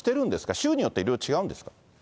州によっていろいろ違うんですか？